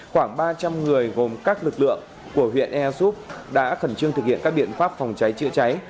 khoảng ba trăm linh người gồm các lực lượng của huyện ea súp đã khẩn trương thực hiện các biện pháp phòng cháy chữa cháy